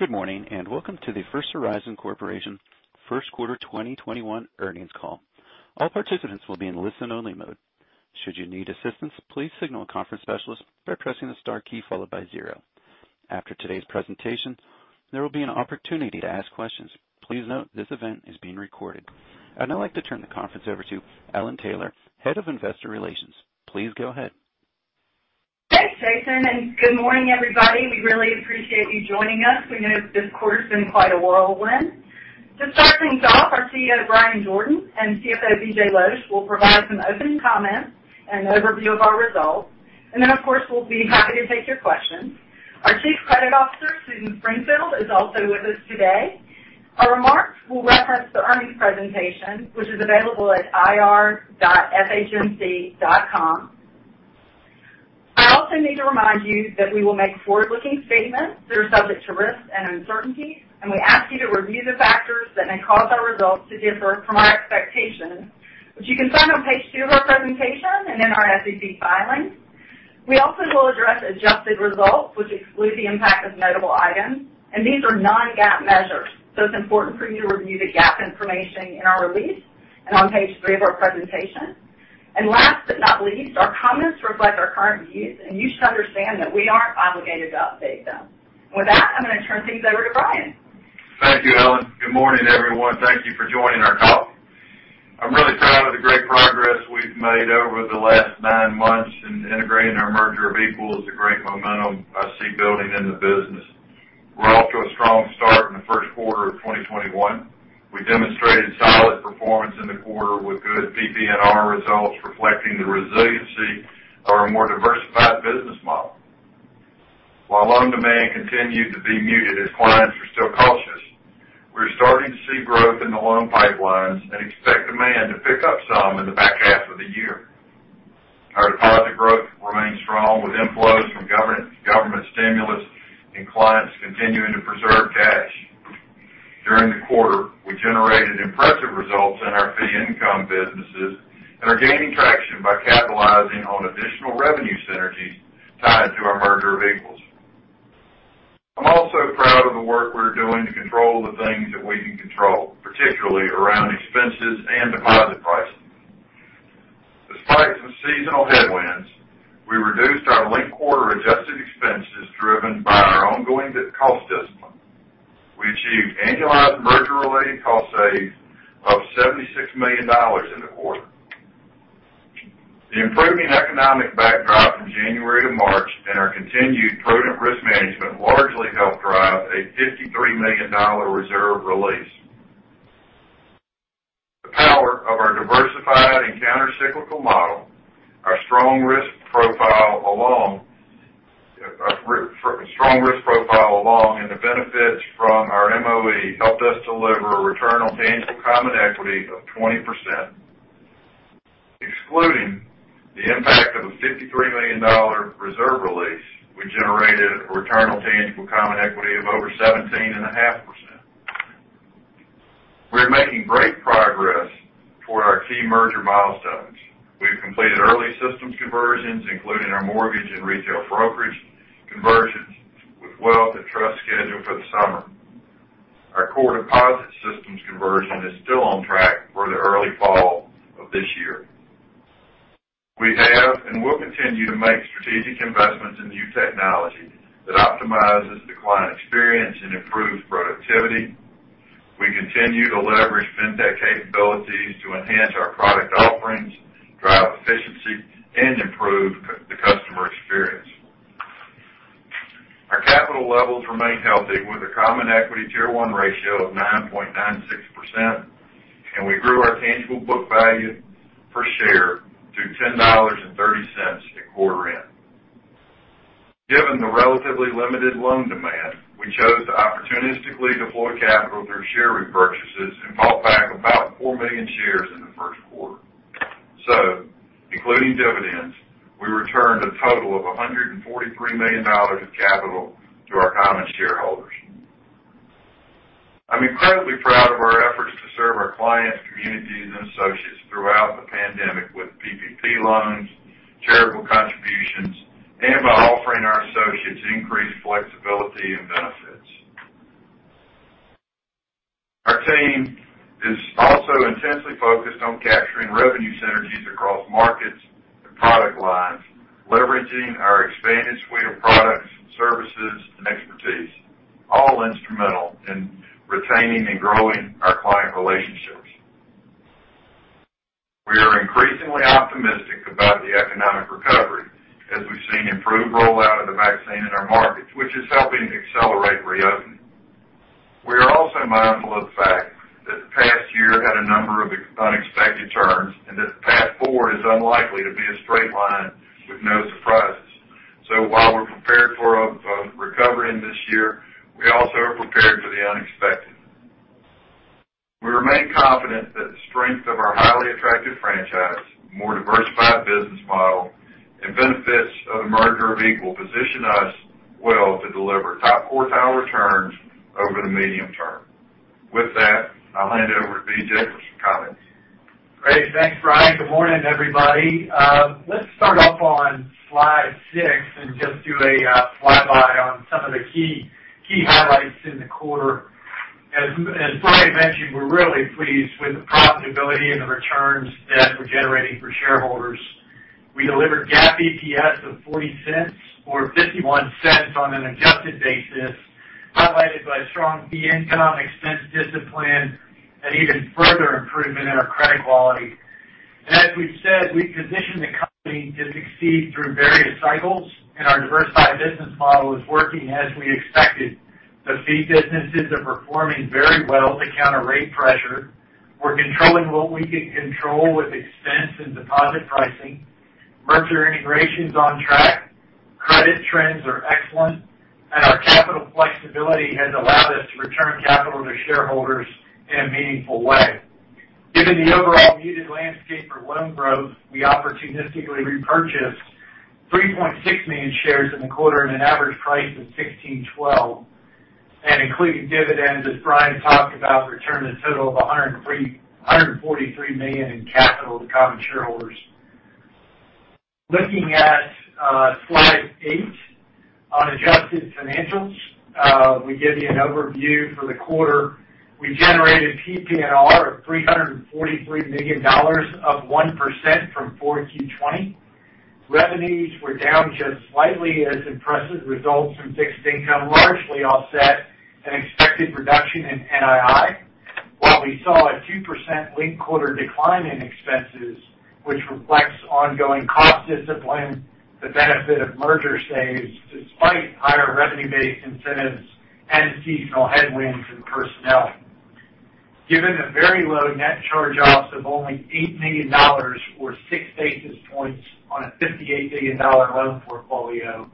Good morning, and welcome to the First Horizon Corporation first quarter 2021 earnings call. All participants will be in listen only mode. Should you need assistance, please signal a conference specialist by pressing the star key followed by zero. After today's presentation, there will be an opportunity to ask questions. Please note this event is being recorded. I'd now like to turn the conference over to Ellen Taylor, Head of Investor Relations. Please go ahead. Thanks, Jason. Good morning, everybody. We really appreciate you joining us. We know that this quarter's been quite a whirlwind. To start things off, our CEO, Bryan Jordan, and CFO, BJ Losch, will provide some opening comments and an overview of our results. Then, of course, we'll be happy to take your questions. Our Chief Credit Officer, Susan Springfield, is also with us today. Our remarks will reference the earnings presentation, which is available at ir.fhnc.com. I also need to remind you that we will make forward-looking statements that are subject to risks and uncertainties, and we ask you to review the factors that may cause our results to differ from our expectations, which you can find on page two of our presentation and in our SEC filings. We also will address adjusted results, which exclude the impact of notable items. These are non-GAAP measures, so it's important for you to review the GAAP information in our release and on page three of our presentation. Last but not least, our comments reflect our current views, and you should understand that we aren't obligated to update them. With that, I'm going to turn things over to Bryan. Thank you, Ellen. Good morning, everyone. Thank you for joining our call. I'm really proud of the great progress we've made over the last nine months in integrating our merger of equals, the great momentum I see building in the business. We're off to a strong start in the first quarter of 2021. We demonstrated solid performance in the quarter with good PPNR results reflecting the resiliency of our more diversified business model. While loan demand continued to be muted as clients are still cautious, we're starting to see growth in the loan pipelines and expect demand to pick up some in the back half of the year. Our deposit growth remains strong with inflows from government stimulus and clients continuing to preserve cash. During the quarter, we generated impressive results in our fee income businesses and are gaining traction by capitalizing on additional revenue synergies tied to our merger of equals. I'm also proud of the work we're doing to control the things that we can control, particularly around expenses and deposit pricing. Despite some seasonal headwinds, we reduced our linked-quarter adjusted expenses driven by our ongoing cost discipline. We achieved annualized merger-related cost saves of $76 million in the quarter. The improving economic backdrop from January to March and our continued prudent risk management largely helped drive a $53 million reserve release. The power of our diversified and countercyclical model, our strong risk profile along, and the benefits from our MOE helped us deliver a return on tangible common equity of 20%. Excluding the impact of a $53 million reserve release, we generated a return on tangible common equity of over 17.5%. We're making great progress toward our key merger milestones. We've completed early systems conversions, including our mortgage and retail brokerage conversions, with wealth and trust scheduled for the summer. Our core deposit systems conversion is still on track for the early fall of this year. We have and will continue to make strategic investments in new technology that optimizes the client experience and improves productivity. We continue to leverage fintech capabilities to enhance our product offerings, drive efficiency, and improve the customer experience. Our capital levels remain healthy with a common equity Tier 1 ratio of 9.96%, and we grew our tangible book value per share to $10.30 at quarter end. Given the relatively limited loan demand, we chose to opportunistically deploy capital through share repurchases and bought back about 4 million shares in the first quarter. Including dividends, we returned a total of $143 million of capital to our common shareholders. I'm incredibly proud of our efforts to serve our clients, communities, and associates throughout the pandemic with PPP loans, charitable contributions, and by offering our associates increased flexibility and benefits. Our team is also intensely focused on capturing revenue synergies across markets and product lines, leveraging our expanded suite of products, services, and expertise, all instrumental in retaining and growing our client relationships. We are increasingly optimistic about the economic recovery as we've seen improved rollout of the vaccine in our markets, which is helping to accelerate reopening. We are also mindful of the fact that the past year had a number of unexpected turns, and that the path forward is unlikely to be a straight line with no surprises. While we're prepared for a recovery this year, we also are prepared for the unexpected. We remain confident that the strength of our highly attractive franchise, more diversified business model, and benefits of the merger of equal position us well to deliver top quartile returns over the medium term. With that, I'll hand it over to BJ for some comments. Okay. Thanks, Bryan. Good morning, everybody. Let's start off on slide six and just do a flyby on some of the key highlights in the quarter. As Bryan mentioned, we're really pleased with the profitability and the returns that we're generating for shareholders. We delivered GAAP EPS of $0.40 or $0.51 on an adjusted basis, highlighted by strong fee income, expense discipline, and even further improvement in our credit quality. As we've said, we've positioned the company to succeed through various cycles, and our diversified business model is working as we expected. The fee businesses are performing very well to counter rate pressure. We're controlling what we can control with expense and deposit pricing. Merger integration's on track. Credit trends are excellent, our capital flexibility has allowed us to return capital to shareholders in a meaningful way. Given the overall muted landscape for loan growth, we opportunistically repurchased 3.6 million shares in the quarter at an average price of $16.12, and including dividends, as Bryan talked about, returned a total of $143 million in capital to common shareholders. Looking at slide eight on adjusted financials, we give you an overview for the quarter. We generated PPNR of $343 million, up 1% from 4Q20. Revenues were down just slightly as impressive results from fixed income largely offset an expected reduction in NII. While we saw a 2% linked-quarter decline in expenses, which reflects ongoing cost discipline, the benefit of merger saves, despite higher revenue-based incentives and seasonal headwinds in personnel. Given the very low net charge-offs of only $8 million, or 6 basis points on a $58 billion loan portfolio,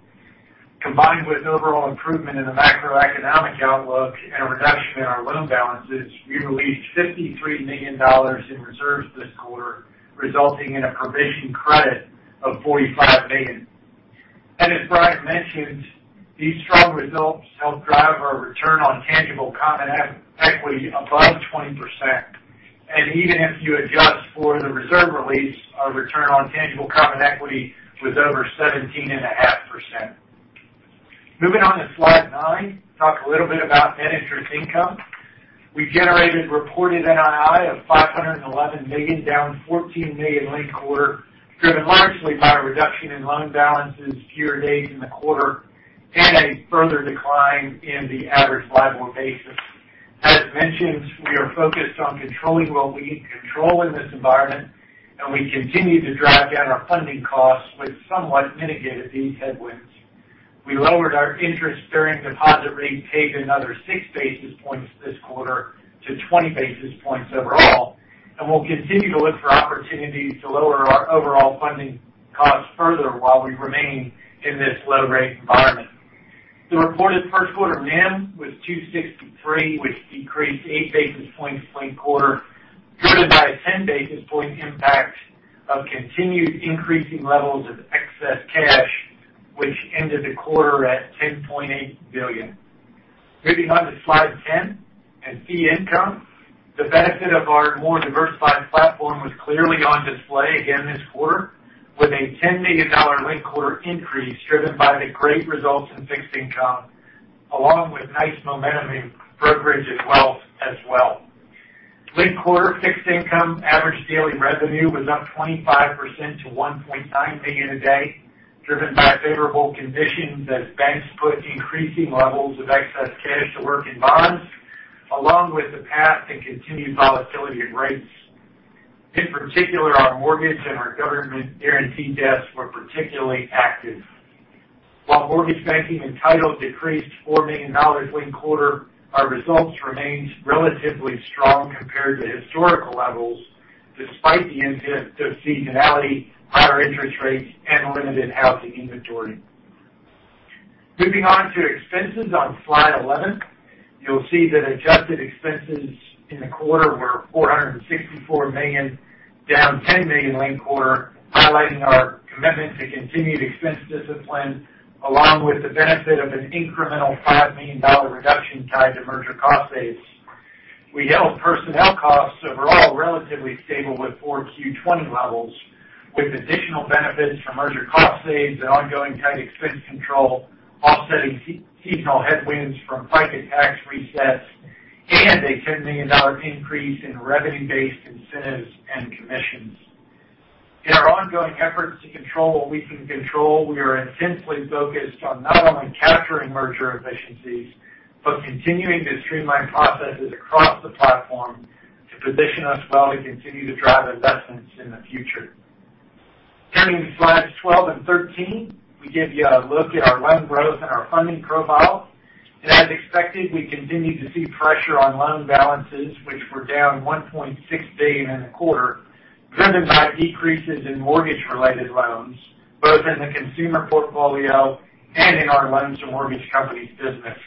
combined with overall improvement in the macroeconomic outlook and a reduction in our loan balances, we released $53 million in reserves this quarter, resulting in a provision credit of $45 million. As Bryan mentioned, these strong results helped drive our return on tangible common equity above 20%, and even if you adjust for the reserve release, our return on tangible common equity was over 17.5%. Moving on to slide nine, talk a little bit about net interest income. We generated reported NII of $511 million, down $14 million linked quarter, driven largely by a reduction in loan balances year and days in the quarter and a further decline in the average LIBOR basis. As mentioned, we are focused on controlling what we can control in this environment. We continue to drive down our funding costs, which somewhat mitigated these headwinds. We lowered our interest-bearing deposit rate paid another 6 basis points this quarter to 20 basis points overall. We'll continue to look for opportunities to lower our overall funding costs further while we remain in this low-rate environment. The reported first quarter NIM was 263, which decreased 8 basis points linked-quarter, driven by a 10 basis point impact of continued increasing levels of excess cash, which ended the quarter at $10.8 billion. Moving on to slide 10 and fee income. The benefit of our more diversified platform was clearly on display again this quarter with a $10 million linked-quarter increase, driven by the great results in fixed income, along with nice momentum in brokerage as well. Linked-quarter fixed income average daily revenue was up 25% to $1.9 million a day, driven by favorable conditions as banks put increasing levels of excess cash to work in bonds, along with the path to continued volatility in rates. In particular, our mortgage and our government guarantee desks were particularly active. While mortgage banking and title decreased $4 million linked quarter, our results remained relatively strong compared to historical levels, despite the impact of seasonality, higher interest rates, and limited housing inventory. Moving on to expenses on slide 11. You'll see that adjusted expenses in the quarter were $464 million, down $10 million linked quarter, highlighting our commitment to continued expense discipline, along with the benefit of an incremental $5 million reduction tied to merger cost saves. We held personnel costs overall relatively stable with 4Q 2020 levels, with additional benefits from merger cost saves and ongoing tight expense control, offsetting seasonal headwinds from FICA tax resets and a $10 million increase in revenue-based incentives and commissions. In our ongoing efforts to control what we can control, we are intensely focused on not only capturing merger efficiencies, but continuing to streamline processes across the platform to position us well to continue to drive investments in the future. Turning to slides 12 and 13, we give you a look at our loan growth and our funding profile. As expected, we continued to see pressure on loan balances, which were down $1.6 billion in the quarter, driven by decreases in mortgage-related loans, both in the consumer portfolio and in our loans to mortgage companies business.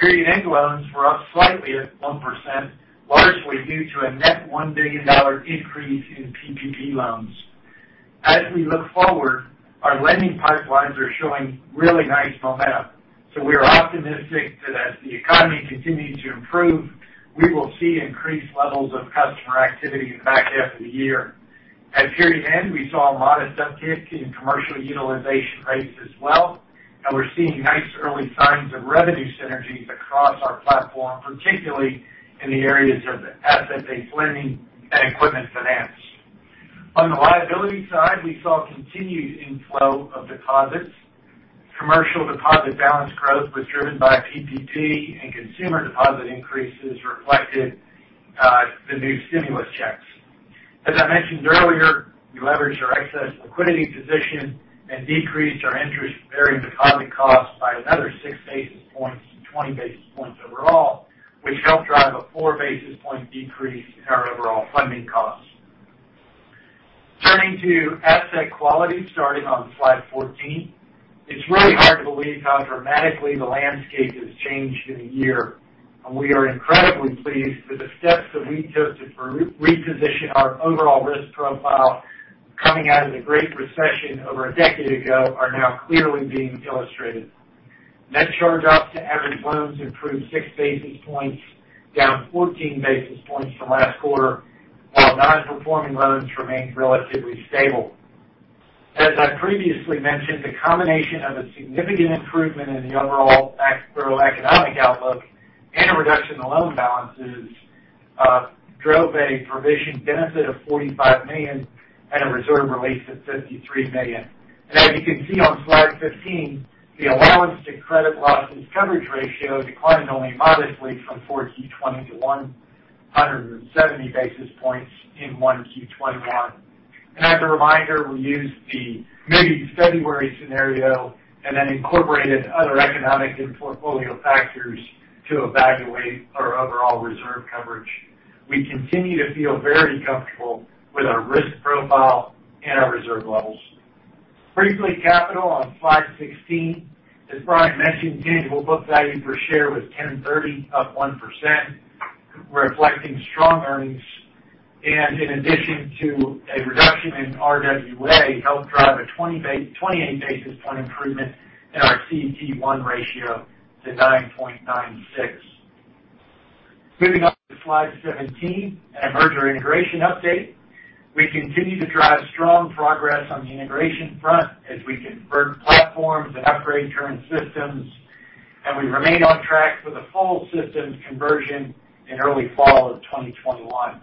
Period-end loans were up slightly at 1%, largely due to a net $1 billion increase in PPP loans. As we look forward, our lending pipelines are showing really nice momentum. We are optimistic that as the economy continues to improve, we will see increased levels of customer activity in the back half of the year. At period end, we saw a modest uptick in commercial utilization rates as well, and we're seeing nice early signs of revenue synergies across our platform, particularly in the areas of asset-based lending and equipment finance. On the liability side, we saw continued inflow of deposits. Commercial deposit balance growth was driven by PPP, and consumer deposit increases reflected the new stimulus checks. As I mentioned earlier, we leveraged our excess liquidity position and decreased our interest-bearing deposit costs by another 6 basis points to 20 basis points overall, which helped drive a 4 basis point decrease in our overall funding costs. Turning to asset quality, starting on slide 14. It's really hard to believe how dramatically the landscape has changed in a year, and we are incredibly pleased that the steps that we took to reposition our overall risk profile coming out of the Great Recession over a decade ago are now clearly being illustrated. Net charge-offs to average loans improved 6 basis points, down 14 basis points from last quarter, while non-performing loans remained relatively stable. As I previously mentioned, the combination of a significant improvement in the overall macroeconomic outlook and a reduction in loan balances drove a provision benefit of $45 million and a reserve release of $53 million. As you can see on slide 15, the allowance to credit losses coverage ratio declined only modestly from 4Q 2020 to 170 basis points in 1Q 2021. As a reminder, we used the mid-February scenario and then incorporated other economic and portfolio factors to evaluate our overall reserve coverage. We continue to feel very comfortable with our risk profile and our reserve levels. Briefly, capital on slide 16. As Bryan mentioned, tangible book value per share was $10.30, up 1%, reflecting strong earnings, and in addition to a reduction in RWA, helped drive a 28 basis point improvement in our CET1 ratio to 9.96. Moving on to slide 17 and a merger integration update. We continue to drive strong progress on the integration front as we convert platforms and upgrade current systems, and we remain on track for the full systems conversion in early fall of 2021.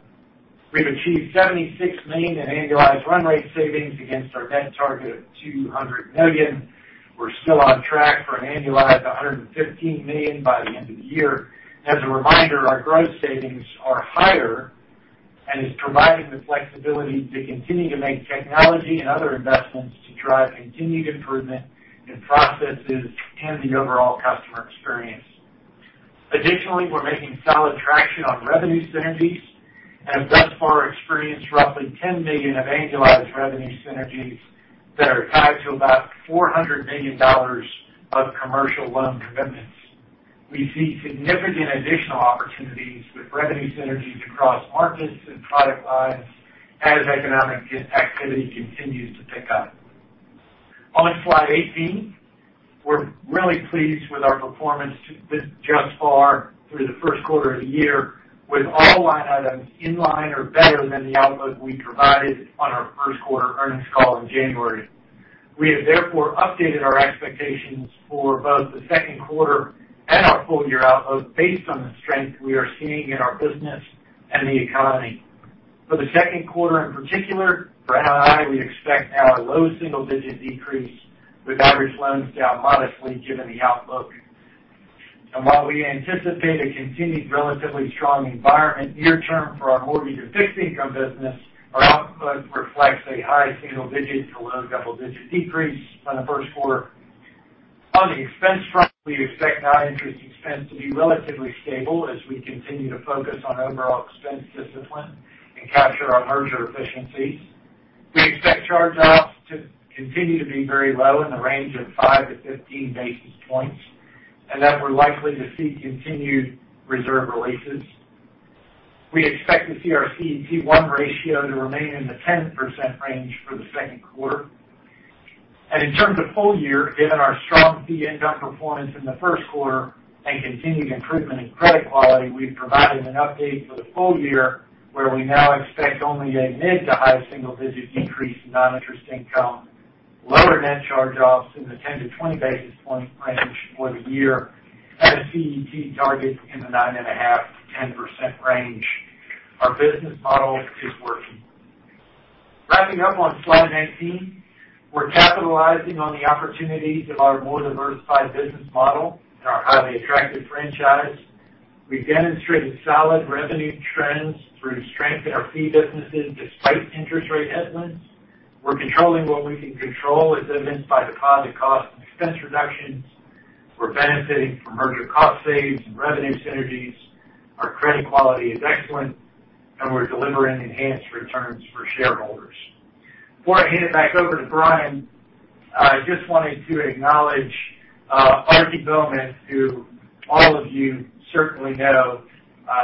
We've achieved $76 million in annualized run rate savings against our then target of $200 million. We're still on track for an annualized $115 million by the end of the year. As a reminder, our gross savings are higher and is providing the flexibility to continue to make technology and other investments to drive continued improvement in processes and the overall customer experience. Additionally, we're making solid traction on revenue synergies and have thus far experienced roughly $10 million of annualized revenue synergies that are tied to about $400 million of commercial loan commitments. We see significant additional opportunities with revenue synergies across markets and product lines as economic activity continues to pick up. On slide 18, we're really pleased with our performance thus far through the first quarter of the year with all line items in line or better than the outlook we provided on our first quarter earnings call in January. We have therefore updated our expectations for both the second quarter and our full-year outlook based on the strength we are seeing in our business and the economy. For the second quarter in particular, for NII, we expect now a low single-digit decrease with average loans down modestly given the outlook. While we anticipate a continued relatively strong environment near-term for our mortgage and fixed income business, our outlook reflects a high single-digit to low double-digit decrease from the first quarter. On the expense front, we expect non-interest expense to be relatively stable as we continue to focus on overall expense discipline and capture our merger efficiencies. We expect charge-offs to continue to be very low in the range of 5-15 basis points, and that we're likely to see continued reserve releases. We expect to see our CET1 ratio to remain in the 10% range for the second quarter. In terms of full-year, given our strong fee income performance in the first quarter and continued improvement in credit quality, we've provided an update for the full-year where we now expect only a mid to high single-digit decrease in non-interest income, lower net charge-offs in the 10-20 basis point range for the year, and a CET target in the 9.5%-10% range. Our business model is working. Wrapping up on slide 19, we're capitalizing on the opportunities of our more diversified business model and our highly attractive franchise. We've demonstrated solid revenue trends through strength in our fee businesses despite interest rate headwinds. We're controlling what we can control, as evidenced by deposit cost and expense reductions. We're benefiting from merger cost saves and revenue synergies. Our credit quality is excellent, and we're delivering enhanced returns for shareholders. Before I hand it back over to Bryan, I just wanted to acknowledge Aarti Bowman, who all of you certainly know.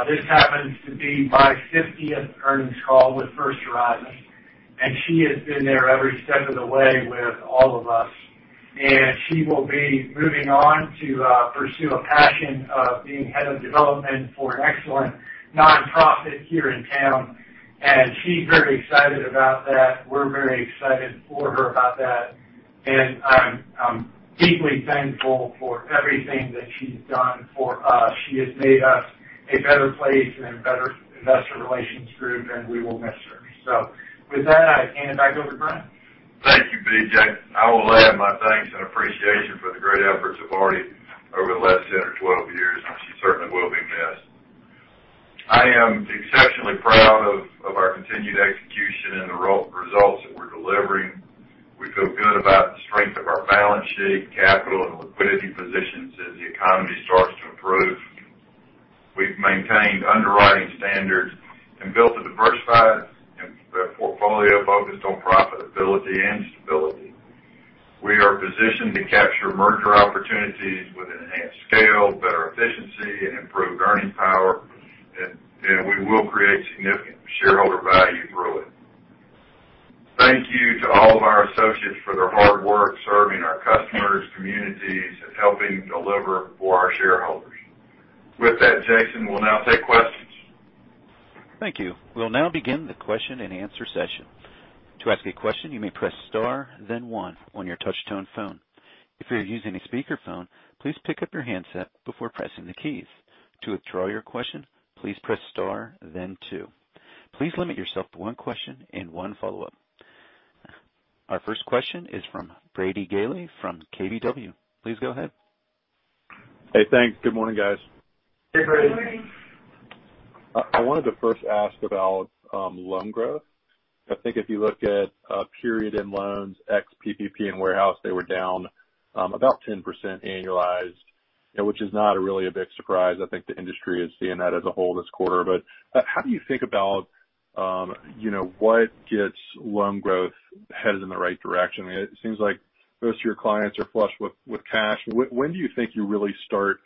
This happens to be my 50th earnings call with First Horizon, and she has been there every step of the way with all of us. She will be moving on to pursue a passion of being head of development for an excellent nonprofit here in town, and she's very excited about that. We're very excited for her about that, and I'm deeply thankful for everything that she's done for us. She has made us a better place and a better investor relations group, and we will miss her. With that, I hand it back over to Bryan. Thank you, BJ. I will add my thanks and appreciation for the great efforts of Aarti over the last 10 or 12 years, and she certainly will be missed. I am exceptionally proud of our continued execution and the results that we're delivering. We feel good about the strength of our balance sheet, capital, and liquidity positions as the economy starts to improve. We've maintained underwriting standards and built a diversified portfolio focused on profitability and stability. We are positioned to capture merger opportunities with enhanced scale, better efficiency, and improved earning power, and we will create significant shareholder value through it. Thank you to all of our associates for their hard work serving our customers, communities, and helping deliver for our shareholders. With that, Jason, we'll now take questions. Thank you. We'll now begin the question and answer session. To ask a question, you may press star then one on your touch-tone phone. If you are using a speakerphone, please pick up your handset before pressing the keys. To withdraw your question, please press star then two. Please limit yourself to one question and one follow-up. Our first question is from Brady Gailey from KBW. Please go ahead. Hey, thanks. Good morning, guys. Hey, Brady. I wanted to first ask about loan growth. I think if you look at period end loans, ex-PPP and warehouse, they were down about 10% annualized, which is not really a big surprise. I think the industry is seeing that as a whole this quarter. How do you think about what gets loan growth headed in the right direction? It seems like most of your clients are flush with cash. When do you think you really start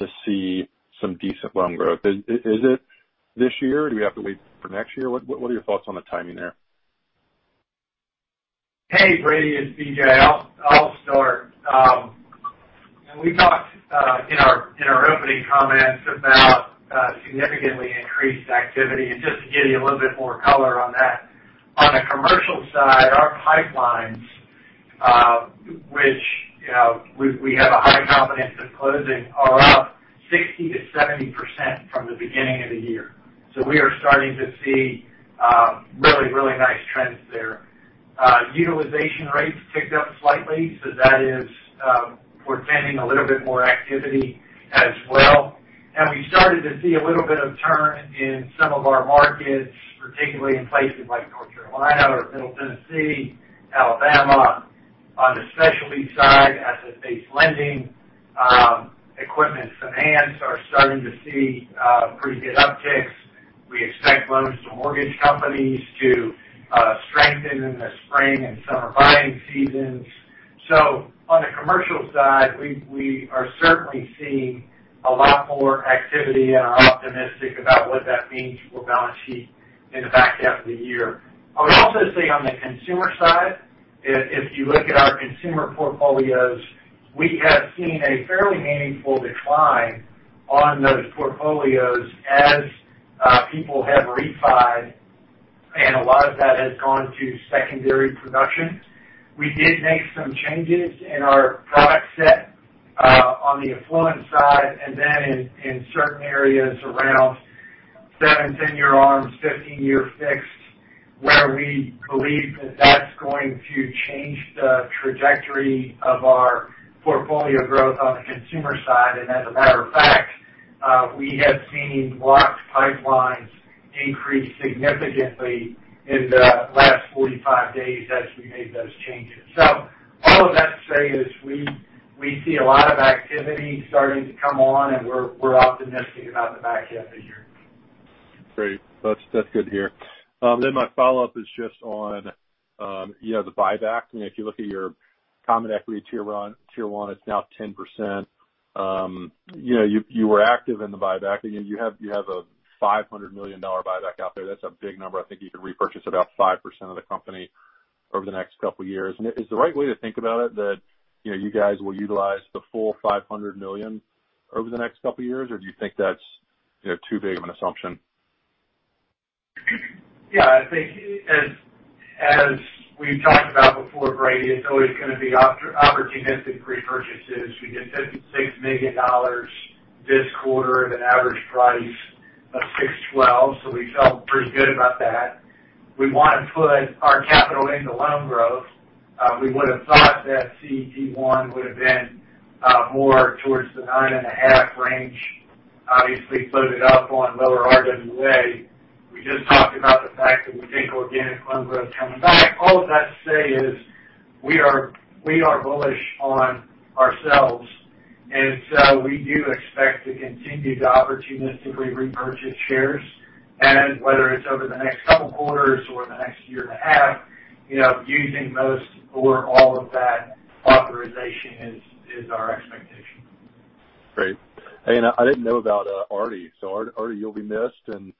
to see some decent loan growth? Is it this year? Do we have to wait for next year? What are your thoughts on the timing there? Hey, Brady, it's BJ. I'll start. We talked in our opening comments about significantly increased activity, and just to give you a little bit more color on that. On the commercial side, our pipelines which we have a high confidence in closing, are up 60%-70% from the beginning of the year. We are starting to see really, really nice trends there. Utilization rates ticked up slightly, so that is portending a little bit more activity as well. We started to see a little bit of turn in some of our markets, particularly in places like North Carolina or Middle Tennessee, Alabama. On the specialty side, asset-based lending, equipment finance are starting to see pretty good upticks. We expect loans to mortgage companies to strengthen in the spring and summer buying seasons. On the commercial side, we are certainly seeing a lot more activity and are optimistic about what that means for balance sheet in the back half of the year. I would also say on the consumer side, if you look at our consumer portfolios, we have seen a fairly meaningful decline on those portfolios as people have refied, and a lot of that has gone to secondary production. We did make some changes in our product set on the affluent side, and then in certain areas around seven, 10-year ARMs, 15-year fixed, where we believe that that's going to change the trajectory of our portfolio growth on the consumer side. As a matter of fact, we have seen locked pipelines increase significantly in the last 45 days as we made those changes. All of that to say is we see a lot of activity starting to come on, and we're optimistic about the back half of the year. Great. That's good to hear. My follow-up is just on the buyback. If you look at your common equity Tier 1, it's now 10%. You were active in the buyback. You have a $500 million buyback out there. That's a big number. I think you could repurchase about 5% of the company over the next couple years. Is the right way to think about it that you guys will utilize the full $500 million over the next couple of years, or do you think that's too big of an assumption? Yeah, I think as we've talked about before, Brady, it's always going to be opportunistic repurchases. We did $56 million this quarter at an average price of $16.12, so we felt pretty good about that. We want to put our capital into loan growth. We would have thought that CET1 would have been more towards the 9.5% range. Obviously, loaded up on lower RWA. We just talked about the fact that we think organic loan growth coming back. All of that to say is we are bullish on ourselves. So we do expect to continue to opportunistically repurchase shares, and whether it's over the next couple of quarters or the next year and a half, using most or all of that authorization is our expectation. Great. Hey, I didn't know about Aarti. Aarti, you'll be missed, and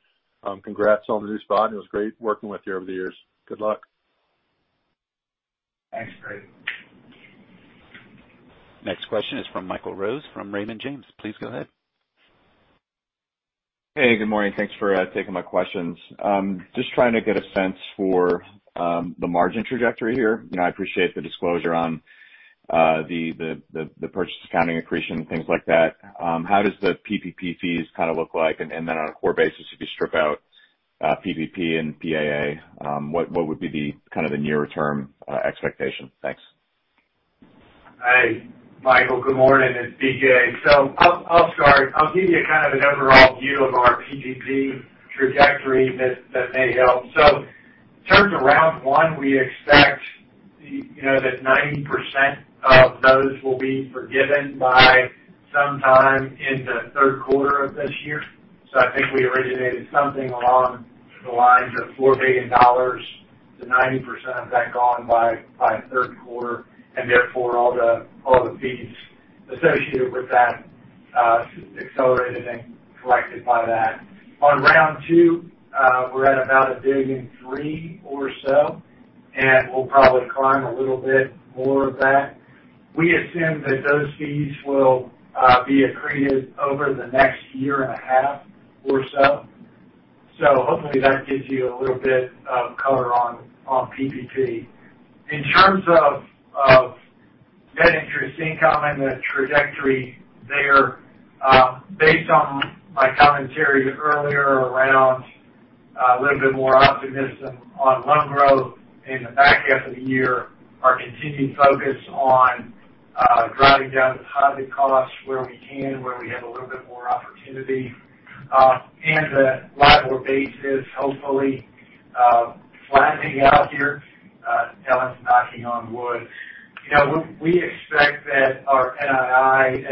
congrats on the new spot. It was great working with you over the years. Good luck. Thanks, Brady. Next question is from Michael Rose, from Raymond James. Please go ahead. Good morning. Thanks for taking my questions. Just trying to get a sense for the margin trajectory here. I appreciate the disclosure on the purchase accounting accretion and things like that. How does the PPP fees kind of look like? Then on a core basis, if you strip out PPP and PAA, what would be the nearer term expectation? Thanks. Hey, Michael, good morning. It's BJ. I'll start. I'll give you an overall view of our PPP trajectory that may help. In terms of round one, we expect that 90% of those will be forgiven by sometime in the third quarter of this year. I think we originated something along the lines of $4 billion to 90% of that gone by third quarter, and therefore, all the fees associated with that accelerated and collected by that. On round two, we're at about $1.3 billion or so, and we'll probably climb a little bit more of that. We assume that those fees will be accreted over the next year and a half or so. Hopefully that gives you a little bit of color on PPP. In terms of net interest income and the trajectory there, based on my commentary earlier around a little bit more optimism on loan growth in the back half of the year, our continued focus on driving down deposit costs where we can, where we have a little bit more opportunity, and the LIBOR base is hopefully flattening out here. Ellen's knocking on wood. We expect that our NII,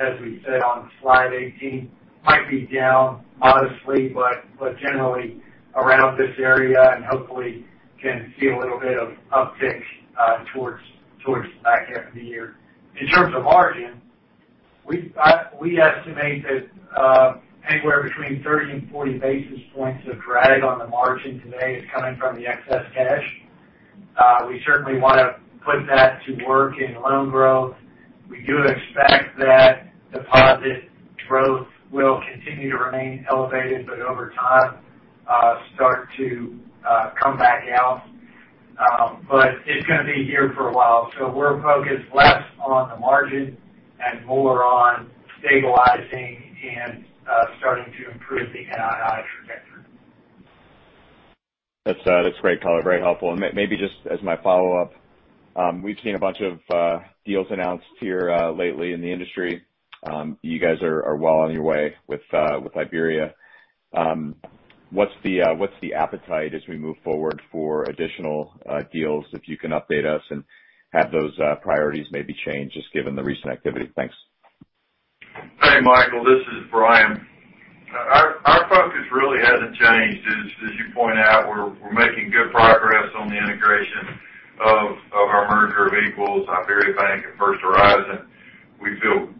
as we said on slide 18, might be down modestly but generally around this area, and hopefully can see a little bit of uptick towards the back half of the year. In terms of margin, we estimate that anywhere between 30 and 40 basis points of drag on the margin today is coming from the excess cash. We certainly want to put that to work in loan growth. We do expect that deposit growth will continue to remain elevated, but over time, start to come back out. It's going to be here for a while. We're focused less on the margin and more on stabilizing and starting to improve the NII trajectory. That's great color, very helpful. Maybe just as my follow-up, we've seen a bunch of deals announced here lately in the industry. You guys are well on your way with Iberia. What's the appetite as we move forward for additional deals, if you can update us, and have those priorities maybe changed just given the recent activity? Thanks. Hey, Michael, this is Bryan. Our focus really hasn't changed. As you point out, we're making good progress on the integration of our merger of equals, IberiaBank and First Horizon. We feel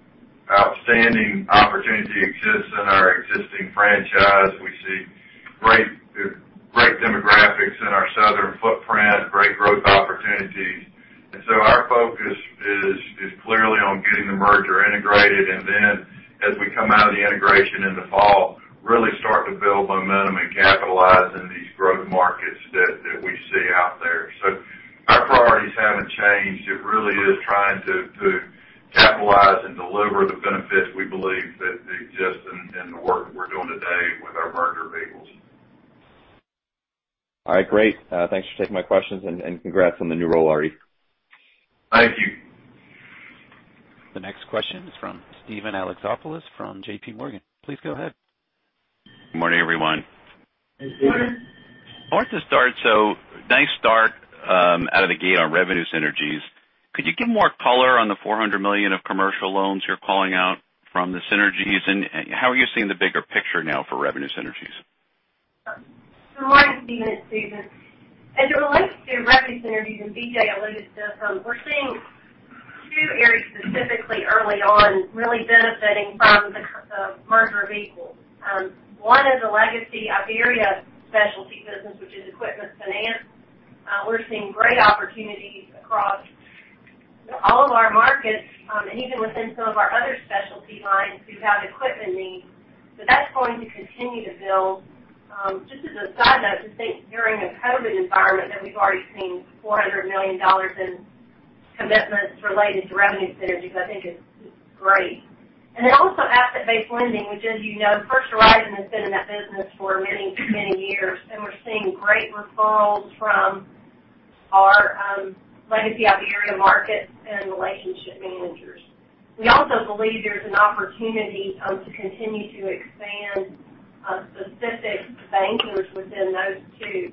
outstanding opportunity exists in our existing franchise. We see great demographics in our southern footprint, great growth opportunities. Our focus is clearly on getting the merger integrated, and then as we come out of the integration in the fall, really start to build momentum and capitalize in these growth markets that we see out there. Our priorities haven't changed. It really is trying to capitalize and deliver the benefits we believe that exist in the work we're doing today with our merger of equals. All right. Great. Thanks for taking my questions, and congrats on the new role, Aarti. Thank you. The next question is from Steven Alexopoulos from JPMorgan. Please go ahead. Good morning, everyone. I want to start, nice start out of the gate on revenue synergies. Could you give more color on the $400 million of commercial loans you're calling out from the synergies? How are you seeing the bigger picture now for revenue synergies? Good morning, Steven. It's Susan. As it relates to revenue synergies, BJ alluded to some, we're seeing two areas specifically early on really benefiting from the merger of equals. One is the legacy Iberia specialty business, which is equipment finance. We're seeing great opportunities across all of our markets, even within some of our other specialty lines who have equipment needs. That's going to continue to build. Just as a side note, to think during a COVID environment that we've already seen $400 million in commitments related to revenue synergies, I think is great. Then also asset-based lending, which, as you know, First Horizon has been in that business for many years, we're seeing great referrals from our legacy Iberia markets and relationship managers. We also believe there's an opportunity to continue to expand specific bankers within those two.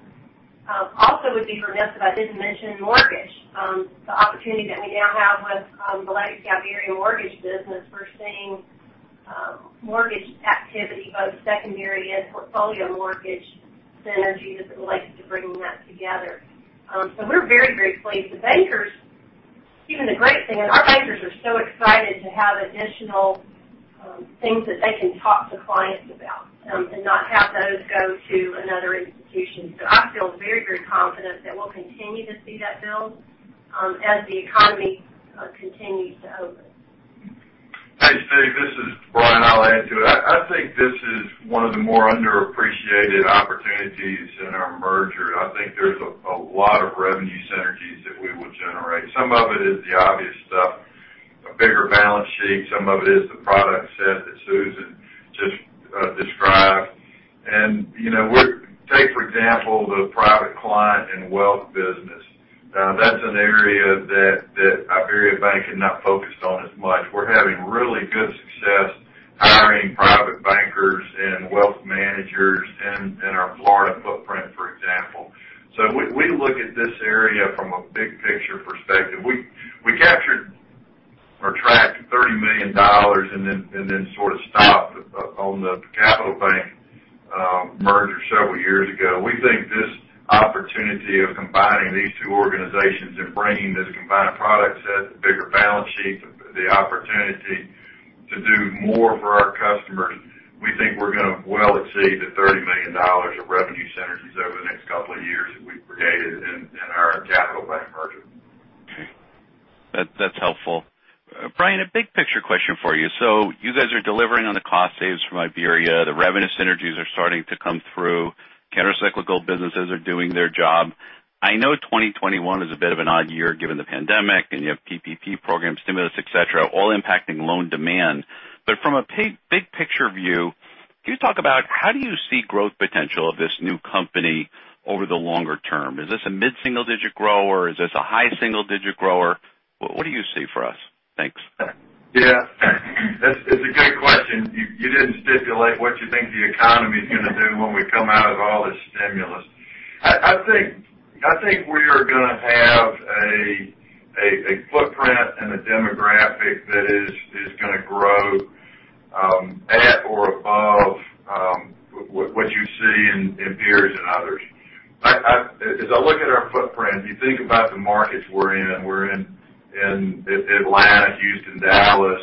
I would be remiss if I didn't mention mortgage. The opportunity that we now have with the legacy Iberia mortgage business, we're seeing mortgage activity, both secondary and portfolio mortgage synergies as it relates to bringing that together. We're very, very pleased. Our bankers are so excited to have additional things that they can talk to clients about, and not have those go to another institution. I feel very, very confident that we'll continue to see that build as the economy continues to open. Hey, Steve, this is Bryan. I'll add to it. I think this is one of the more underappreciated opportunities in our merger. I think there's a lot of revenue synergies that we will generate. Some of it is the obvious stuff, a bigger balance sheet. Some of it is the product set that Susan just described. Take, for example, the private client and wealth business. That's an area that IberiaBank had not focused on as much. We're having really good success hiring private bankers and wealth managers in our Florida footprint, for example. We look at this area from a big picture perspective. We captured or tracked $30 million and then sort of stopped on the Capital Bank merger several years ago. We think this opportunity of combining these two organizations and bringing this combined product set, the bigger balance sheet, the opportunity to do more for our customers, we think we're going to well exceed the $30 million of revenue synergies over the next couple of years that we've created in our Capital Bank merger. That's helpful. Bryan, a big picture question for you. You guys are delivering on the cost saves from Iberia. The revenue synergies are starting to come through. Countercyclical businesses are doing their job. I know 2021 is a bit of an odd year given the pandemic, and you have PPP program stimulus, et cetera, all impacting loan demand. From a big picture view, can you talk about how do you see growth potential of this new company over the longer term? Is this a mid-single digit grower? Is this a high single digit grower? What do you see for us? Thanks. Yeah. It's a good question. You didn't stipulate what you think the economy's going to do when we come out of all this stimulus. I think we are going to have a footprint and a demographic that is going to grow at or above what you see in peers and others. As I look at our footprint, if you think about the markets we're in, we're in Atlanta, Houston, Dallas,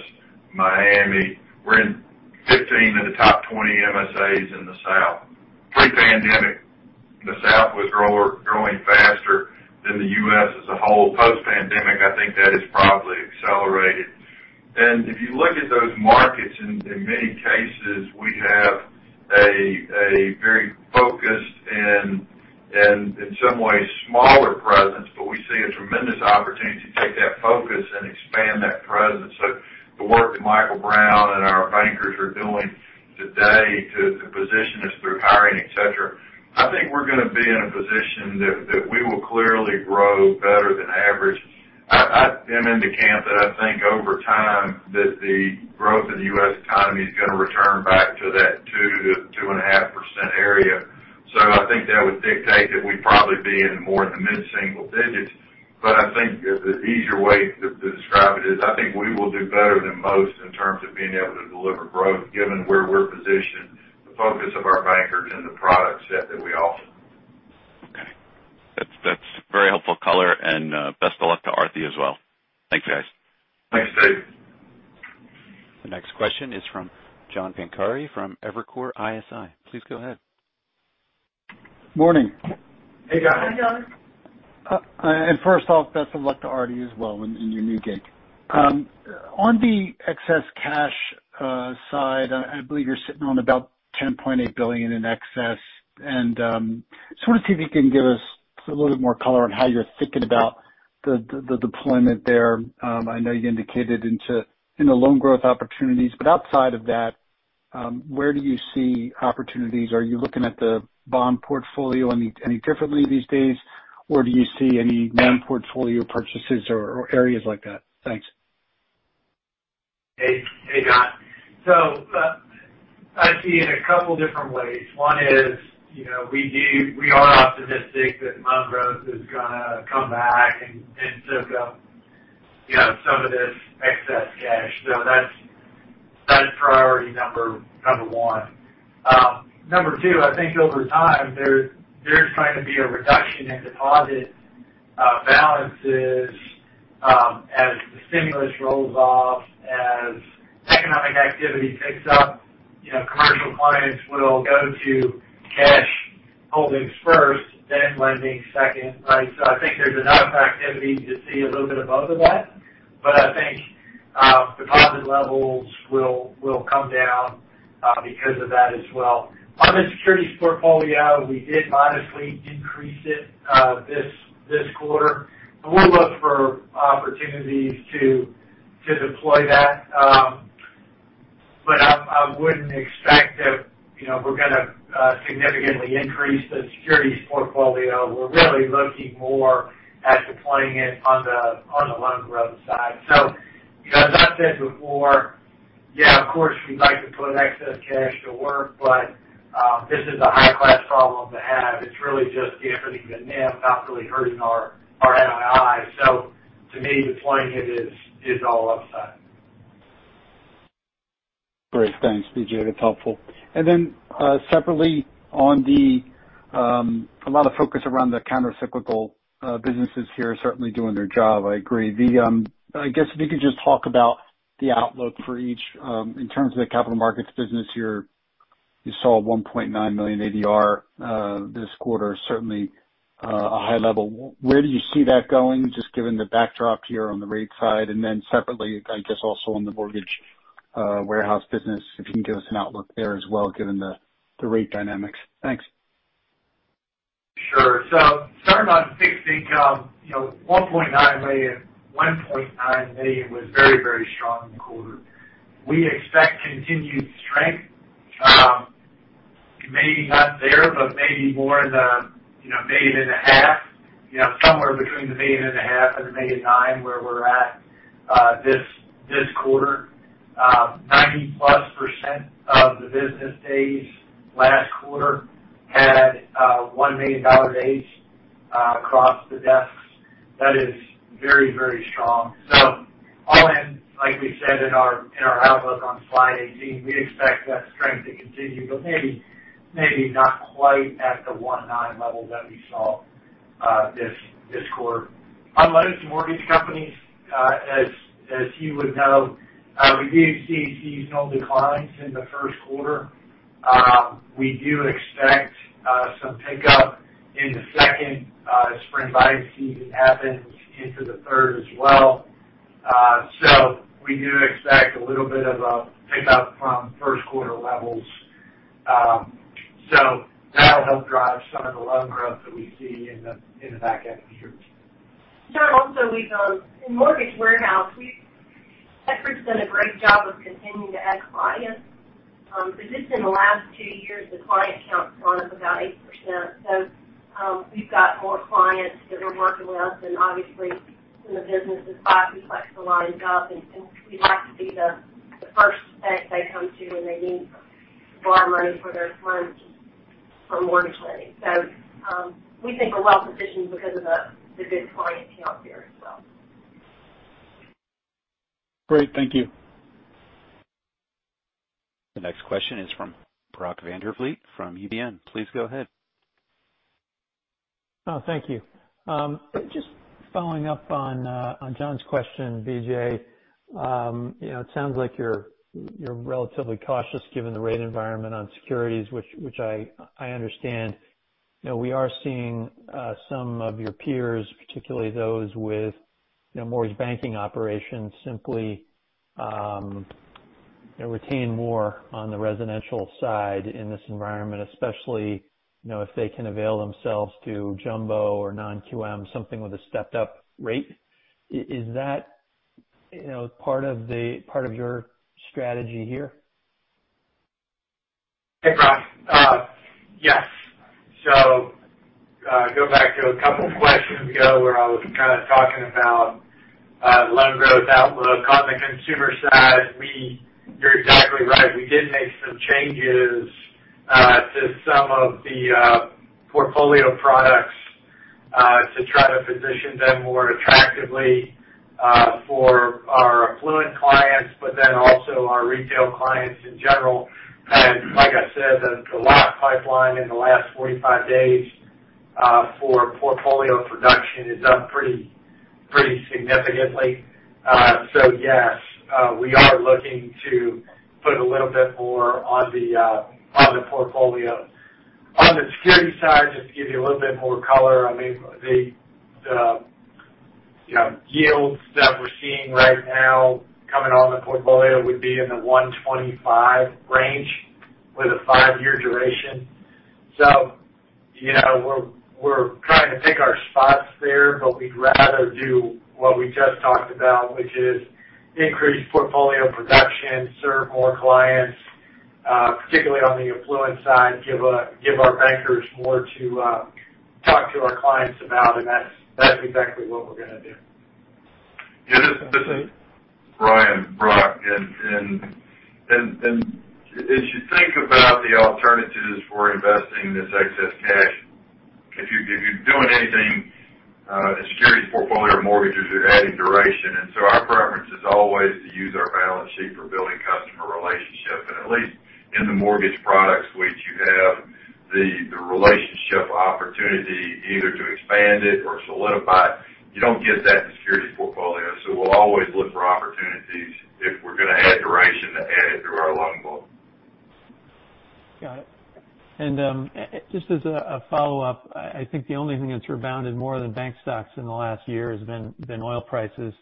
Miami. We're in 15 of the top 20 MSAs in the South. Pre-pandemic, the South was growing faster than the U.S. as a whole. Post-pandemic, I think that has probably accelerated. If you look at those markets, in many cases, we have a very focused and, in some ways, smaller presence, but we see a tremendous opportunity to take that focus and expand that presence. The work that Michael Brown and our bankers are doing today to position us through hiring, et cetera, I think we're going to be in a position that we will clearly grow better than average. I am in the camp that I think over time that the growth of the U.S. economy is going to return back to that 2%-2.5% area. I think that would dictate that we'd probably be in more in the mid-single digits. I think the easier way to describe it is, I think we will do better than most in terms of being able to deliver growth given where we're positioned, the focus of our bankers, and the product set that we offer. Okay. That's very helpful color and best of luck to Aarti as well. Thanks, guys. Thanks, Steve. The next question is from John Pancari from Evercore ISI. Please go ahead. Morning. Hey, John. Hey, John. First off, best of luck to Aarti as well in your new gig. On the excess cash side, I believe you're sitting on about $10.8 billion in excess, and just want to see if you can give us a little bit more color on how you're thinking about the deployment there. I know you indicated into loan growth opportunities, but outside of that, where do you see opportunities? Are you looking at the bond portfolio any differently these days, or do you see any non-portfolio purchases or areas like that? Thanks. Hey, John. I see it in a couple different ways. One is, we are optimistic that loan growth is going to come back and soak up some of this excess cash. That's priority number one. Number two, I think over time, there's going to be a reduction in deposit balances as the stimulus rolls off, as economic activity picks up. Commercial clients will go to cash holdings first, then lending second, right? I think there's enough activity to see a little bit of both of that. I think deposit levels will come down because of that as well. On the securities portfolio, we did modestly increase it this quarter, and we'll look for opportunities to deploy that. I wouldn't expect that we're going to significantly increase the securities portfolio. We're really looking more at deploying it on the loan growth side. I've said before, yeah, of course, we'd like to put excess cash to work, but this is a high-class problem to have. It's really just nipping the NIM, not really hurting our NII. To me, deploying it is all upside. Great. Thanks, BJ. That's helpful. Separately, a lot of focus around the counter-cyclical businesses here are certainly doing their job, I agree. I guess if you could just talk about the outlook for each in terms of the capital markets business here. You saw a $1.9 million ADR this quarter, certainly a high level. Where do you see that going just given the backdrop here on the rate side? Separately, I guess also on the Mortgage Warehouse business, if you can give us an outlook there as well, given the rate dynamics. Thanks. Sure. Starting on fixed income, $1.9 million was very strong quarter. We expect continued strength. Maybe not there, but maybe more in the, maybe in the half, somewhere between the million and a half and $1.9 million, where we're at this quarter. 90%+ of the business days last quarter had $1 million days across the desks. That is very strong. All in, like we said in our outlook on slide 18, we expect that strength to continue, but maybe not quite at the $1.9 million level that we saw this quarter. On lender to mortgage companies, as you would know, we do see seasonal declines in the first quarter. We do expect some pickup in the second spring buying season happens into the third as well. We do expect a little bit of a pickup from first quarter levels. That'll help drive some of the loan growth that we see in the back end of the year. John, also in Mortgage Warehouse, Edward's done a great job of continuing to add clients. Just in the last two years, the client count's gone up about 8%. We've got more clients that we're working with, and obviously some of the business is price competition has ligned up, and we like to be the first bank they come to when they need to borrow money for their loans for mortgage lending. We think we're well-positioned because of the good client count there as well. Great. Thank you. The next question is from Brock Vandervliet from UBS. Please go ahead. Oh, thank you. Just following up on John's question, BJ, it sounds like you're relatively cautious given the rate environment on securities, which I understand. We are seeing some of your peers, particularly those with mortgage banking operations simply retain more on the residential side in this environment, especially if they can avail themselves to jumbo or non-QM, something with a stepped up rate. Is that part of your strategy here? Hey, Brock. Yes. Go back to a couple questions ago where I was kind of talking about loan growth outlook. On the consumer side, you're exactly right. We did make some changes to some of the portfolio products to try to position them more attractively for our affluent clients, but then also our retail clients in general. Like I said, the lock pipeline in the last 45 days for portfolio production is up pretty significantly. Yes, we are looking to put a little bit more on the portfolio. On the security side, just to give you a little bit more color, the yields that we're seeing right now coming on the portfolio would be in the 125 range with a five-year duration. We're trying to pick our spots there, but we'd rather do what we just talked about, which is increase portfolio production, serve more clients, particularly on the affluent side, give our bankers more to talk to our clients about, and that's exactly what we're going to do. This is Bryan, Brock. As you think about the alternatives for investing this excess cash, if you're doing anything, a securities portfolio or mortgages, you're adding duration. Our preference is always to use our balance sheet for building customer relationship. At least in the mortgage products which you have the relationship opportunity either to expand it or solidify it, you don't get that in the securities portfolio. We'll always look for opportunities if we're going to add duration to add it through our loan book. Got it. Just as a follow-up, I think the only thing that's rebounded more than bank stocks in the last year has been oil prices.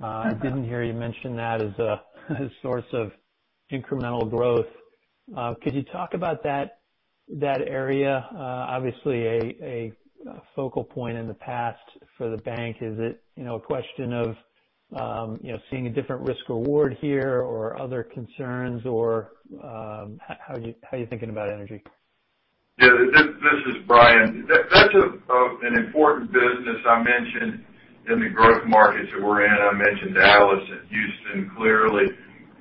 I didn't hear you mention that as a source of incremental growth. Could you talk about that area? Obviously, a focal point in the past for the bank. Is it a question of seeing a different risk/reward here or other concerns, or how are you thinking about energy? This is Bryan. That's an important business I mentioned in the growth markets that we're in. I mentioned Dallas and Houston, clearly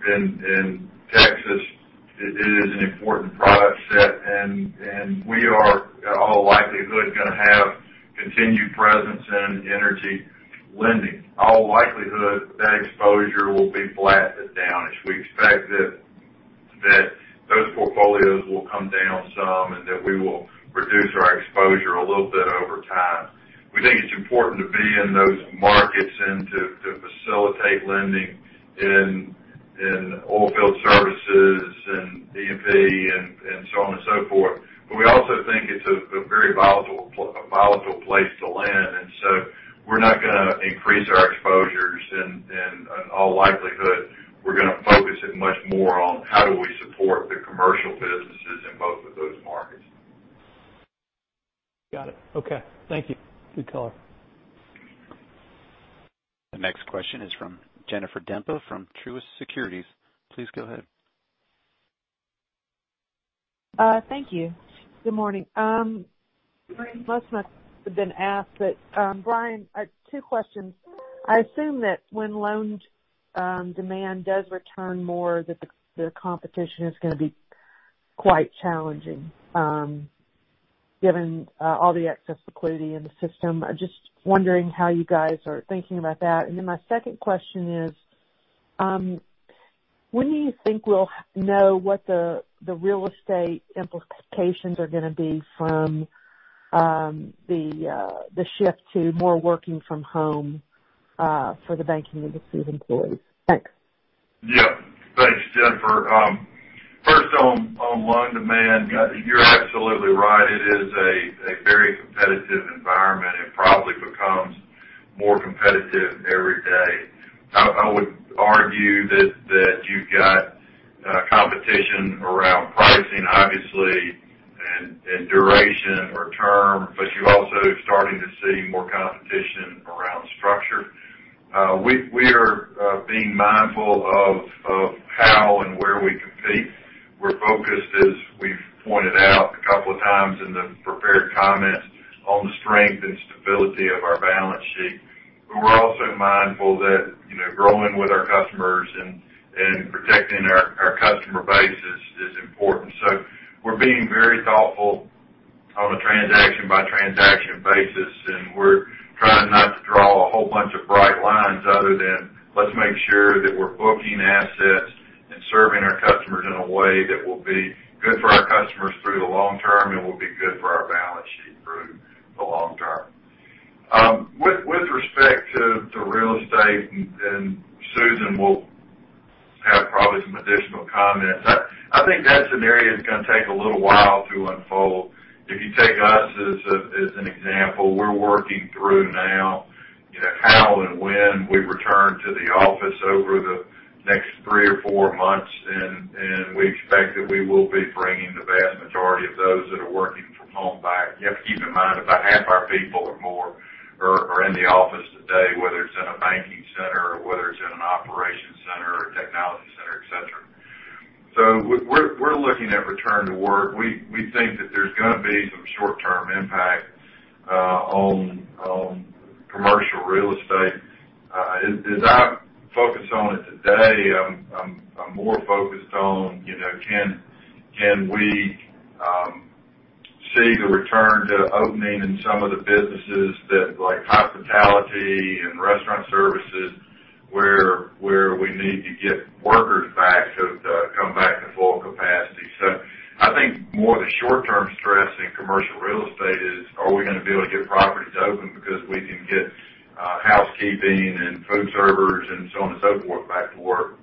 in Texas, it is an important product set, and we are in all likelihood going to have continued presence in energy lending. In all likelihood, that exposure will be managed down, as we expect that those portfolios will come down some, and that we will reduce our exposure a little bit over time. We think it's important to be in those markets and to facilitate lending in oilfield services, and E&P, and so on and so forth. We also think it's a very volatile place to land. We're not going to increase our exposures, and in all likelihood, we're going to focus it much more on how do we support the commercial businesses in both of those markets. Got it. Okay. Thank you. Good color. The next question is from Jennifer Demba from Truist Securities. Please go ahead. Thank you. Good morning. Most of us have been asked, Bryan, two questions. I assume that when loan demand does return more, that the competition is going to be quite challenging, given all the excess liquidity in the system. Just wondering how you guys are thinking about that. My second question is, when do you think we'll know what the real estate implications are going to be from the shift to more working from home for the banking industry's employees? Thanks. Yeah. Thanks, Jennifer. First on loan demand, you're absolutely right. It is a very competitive environment. It probably becomes more competitive every day. I would argue that you've got competition around pricing, obviously, and duration or term, but you're also starting to see more competition around structure. We are being mindful of how and where we compete. We're focused, as we've pointed out a couple of times in the prepared comments, on the strength and stability of our balance sheet. We're also mindful that growing with our customers and protecting our customer base is important. We're being very thoughtful on a transaction-by-transaction basis, and we're trying not to draw a whole bunch of bright lines other than let's make sure that we're booking assets and serving our customers in a way that will be good for our customers through the long term, and will be good for our balance sheet through the long term. With respect to real estate, and Susan will have probably some additional comments, I think that's an area that's going to take a little while to unfold. If you take us as an example, we're working through now how and when we return to the office over the next three or four months, and we expect that we will be bringing the vast majority of those that are working from home back. You have to keep in mind, about half our people or more are in the office today, whether it's in a banking center or whether it's in an operation center or technology center, et cetera. We're looking at return to work. We think that there's going to be some short-term impact on commercial real estate. As I focus on it today, I'm more focused on can we see the return to opening in some of the businesses like hospitality and restaurant services, where we need to get workers back to come back to full capacity. I think more the short-term stress in commercial real estate is, are we going to be able to get properties open because we can get housekeeping and food servers and so on and so forth back to work?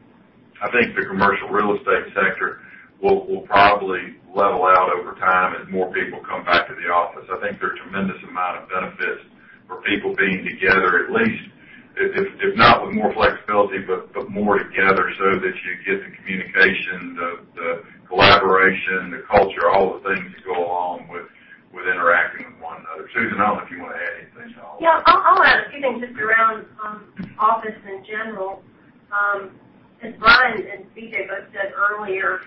I think the commercial real estate sector will probably level out over time as more people come back to the office. I think there are tremendous amount of benefits for people being together, at least if not with more flexibility, but more together so that you get the communication, the collaboration, the culture, all the things that go along with interacting with one another. Susan, I don't know if you want to add anything at all. Yeah, I'll add a few things just around office in general. As Bryan and BJ both said earlier,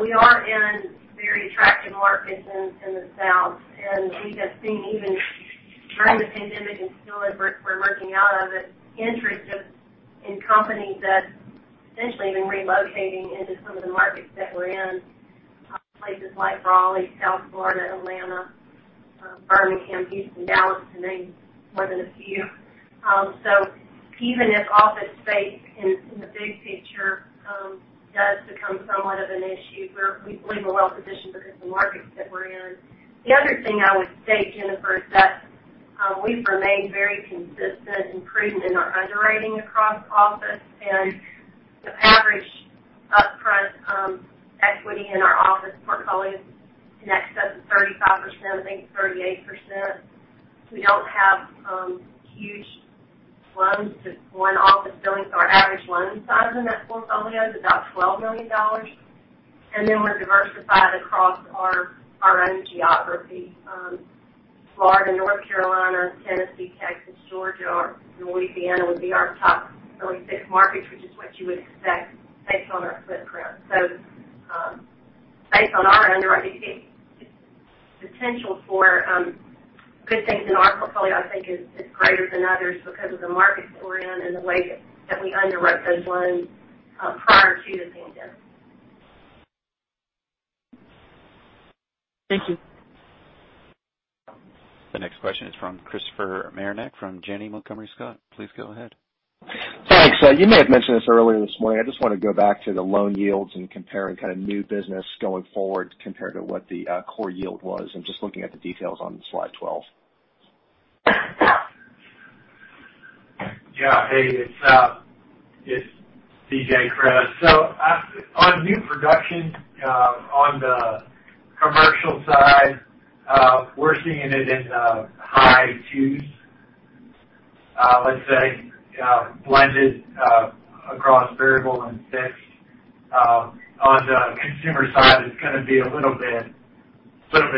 we are in very attractive markets in the South, and we have seen even during the pandemic and still as we're working out of it, interest in companies that potentially even relocating into some of the markets that we're in, places like Raleigh, South Florida, Atlanta, Birmingham, Houston, Dallas, to name more than a few. Even if office space in the big picture does become somewhat of an issue, we believe we're well positioned because of the markets that we're in. The other thing I would say, Jennifer, is that we've remained very consistent and prudent in our underwriting across office and the average upfront equity in our office portfolios in excess of 35%, I think it's 38%. We don't have huge loans to one office building. Our average loan size in that portfolio is about $12 million. We're diversified across our own geography, Florida, North Carolina, Tennessee, Texas, Georgia, Louisiana would be our top early six markets, which is what you would expect based on our footprint. Based on our underwriting, the potential for good things in our portfolio, I think, is greater than others because of the markets we're in and the way that we underwrote those loans prior to the pandemic. Thank you. The next question is from Christopher Marinac from Janney Montgomery Scott. Please go ahead. Thanks. You may have mentioned this earlier this morning. I just want to go back to the loan yields and comparing new business going forward compared to what the core yield was and just looking at the details on slide 12. Yeah. Hey, it's BJ. On new production, on the commercial side, we're seeing it in the high twos, let's say blended across variable and fixed. On the consumer side, it's going to be a little bit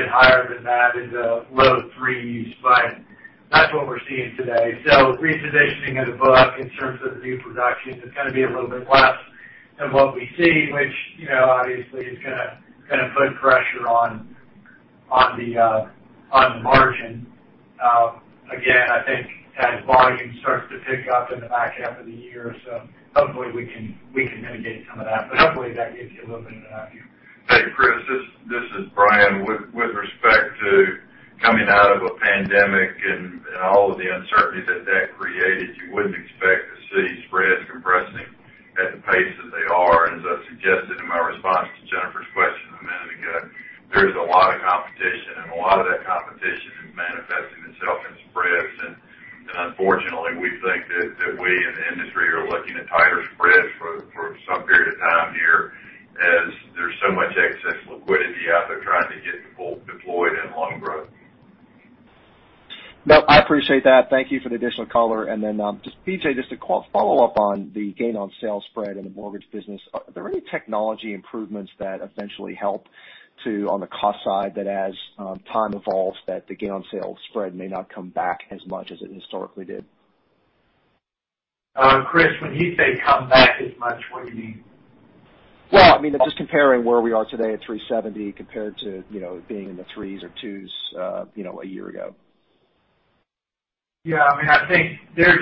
higher than that, in the low threes, but that's what we're seeing today. Repositioning of the book in terms of new production is going to be a little bit less than what we see, which obviously is going to put pressure on the margin. Again, I think as volume starts to pick up in the back half of the year, hopefully we can mitigate some of that. Hopefully that gives you a little bit of an idea. Hey, Chris, this is Bryan. With respect to coming out of a pandemic and all of the uncertainty that that created, you wouldn't expect to see spreads compressing at the pace that they are. As I suggested in my response to Jennifer's question a minute ago, there's a lot of competition, and a lot of that competition is manifesting itself in spreads. Unfortunately, we think that we in the industry are looking at tighter spreads for some period of time here as there's so much excess liquidity out there trying to get deployed in loan growth. No, I appreciate that. Thank you for the additional color. Just BJ, just a follow-up on the gain on sales spread in the mortgage business. Are there any technology improvements that eventually help too on the cost side that as time evolves, that the gain on sales spread may not come back as much as it historically did? Chris, when you say come back as much, what do you mean? Well, I mean, just comparing where we are today at 370 compared to being in the threes or twos a year ago. Yeah. I think there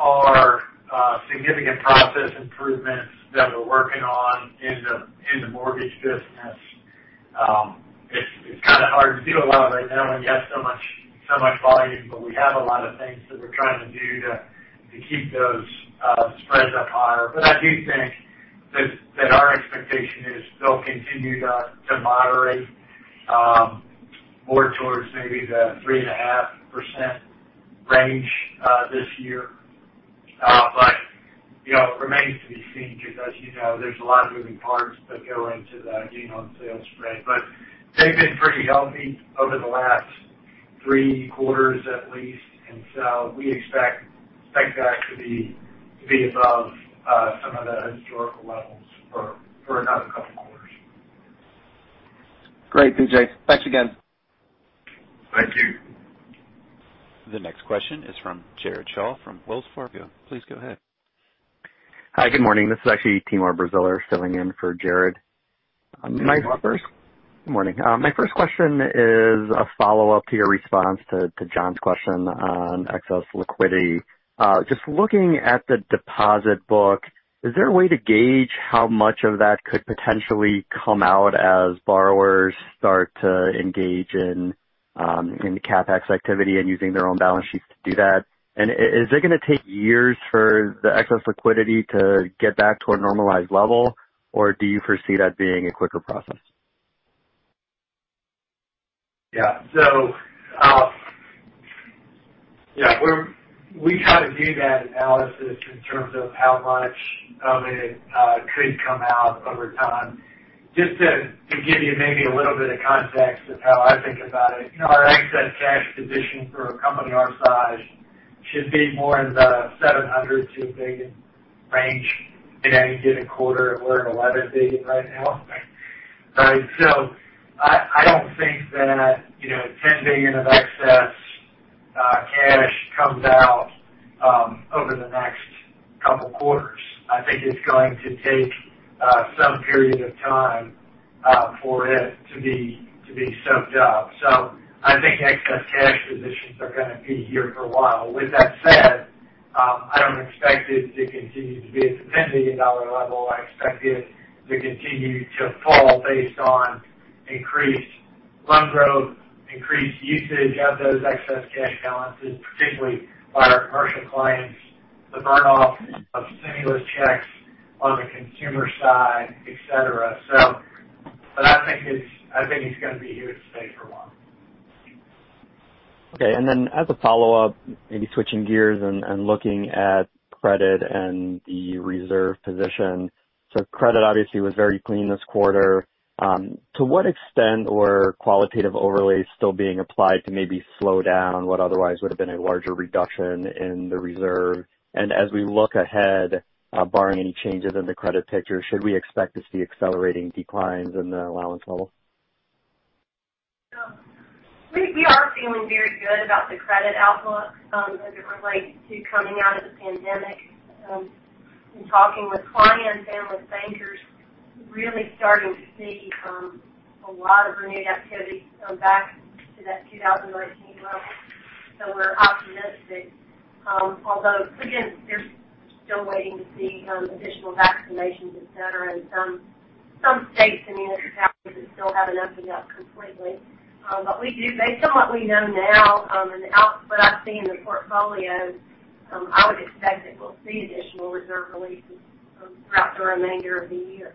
are significant process improvements that we're working on in the mortgage business. It's kind of hard to do a lot right now when you have so much volume, we have a lot of things that we're trying to do to keep those spreads up higher. I do think that our expectation is they'll continue to moderate more towards maybe the 3.5% range this year. It remains to be seen because as you know, there's a lot of moving parts that go into the gain on sale spread, they've been pretty healthy over the last three quarters at least, we expect that to be above some of the historical levels for another couple of quarters. Great, BJ. Thanks again. Thank you. The next question is from Jared Shaw from Wells Fargo. Please go ahead. Hi, good morning. This is actually Timur Braziler filling in for Jared. Good morning. My first question is a follow-up to your response to John's question on excess liquidity. Just looking at the deposit book, is there a way to gauge how much of that could potentially come out as borrowers start to engage in CapEx activity and using their own balance sheets to do that? Is it going to take years for the excess liquidity to get back to a normalized level, or do you foresee that being a quicker process? Yeah. We try to do that analysis in terms of how much of it could come out over time. Just to give you maybe a little bit of context of how I think about it, our excess cash position for a company our size should be more in the $700 million-$1 billion range. Any given quarter, we're at $11 billion right now. I don't think that $10 billion of excess cash comes out over the next couple quarters. I think it's going to take some period of time for it to be soaked up. I think excess cash positions are going to be here for a while. With that said, I don't expect it to continue to be at the $10 billion level. I expect it to continue to fall based on increased loan growth, increased usage of those excess cash balances, particularly by our commercial clients, the burn-off of stimulus checks on the consumer side, et cetera. I think it's going to be here to stay for a while. Okay. As a follow-up, maybe switching gears and looking at credit and the reserve position. Credit obviously was very clean this quarter. To what extent were qualitative overlays still being applied to maybe slow down what otherwise would've been a larger reduction in the reserve? As we look ahead, barring any changes in the credit picture, should we expect to see accelerating declines in the allowance level? We are feeling very good about the credit outlook as it relates to coming out of the pandemic. In talking with clients and with bankers, really starting to see a lot of renewed activity come back to that 2019 level. We're optimistic. Although, again, they're still waiting to see additional vaccinations, et cetera, in some states and municipalities that still haven't opened up completely. Based on what we know now, and what I see in the portfolio, I would expect that we'll see additional reserve releases throughout the remainder of the year.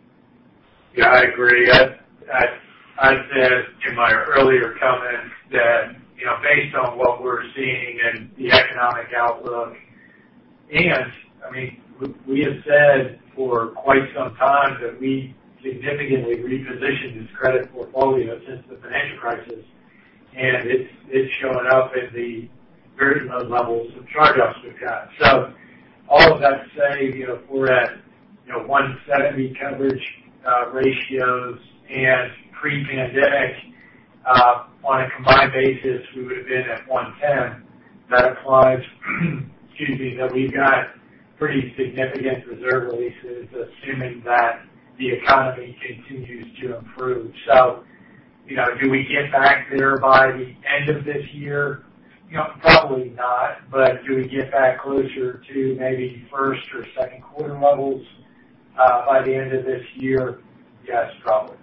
Yeah, I agree. I said in my earlier comments that based on what we're seeing and the economic outlook, and we have said for quite some time that we significantly repositioned this credit portfolio since the financial crisis, and it's showing up in the very low levels of charge-offs we've got. All of that to say, we're at 170 coverage ratios and pre-pandemic, on a combined basis, we would've been at 110. That implies that we've got pretty significant reserve releases, assuming that the economy continues to improve. Do we get back there by the end of this year? Probably not. Do we get back closer to maybe first or second quarter levels by the end of this year? Yes, probably.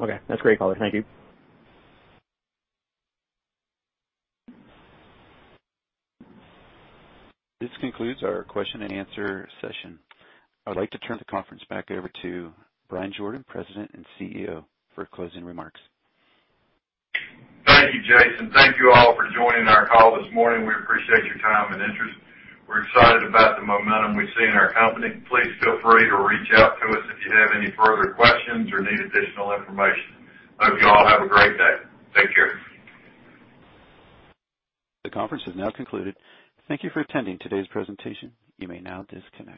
Okay. That's great color. Thank you. This concludes our question and answer session. I'd like to turn the conference back over to Bryan Jordan, President and CEO, for closing remarks. Thank you, Jason. Thank you all for joining our call this morning. We appreciate your time and interest. We're excited about the momentum we see in our company. Please feel free to reach out to us if you have any further questions or need additional information. Hope you all have a great day. Take care. The conference has now concluded. Thank you for attending today's presentation. You may now disconnect.